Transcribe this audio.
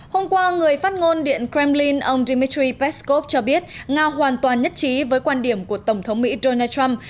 hôm qua người phát ngôn điện kremlin ông dmitry peskov cho biết nga hoàn toàn nhất trí với quan điểm của tổng thống mỹ donald trump